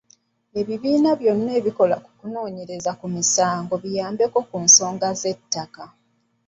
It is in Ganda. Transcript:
Ebibiina byonna ebikola ku kunoonyereza ku misango biyambeko ku nsonga z'ettaka.